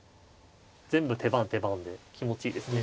全部手番手番で気持ちいいですね。